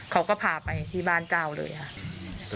เขาก็พาไปที่บ้านเจ้าเลยค่ะ